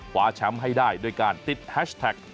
คว้าแชมป์ให้ได้ด้วยการติดแฮชแท็ก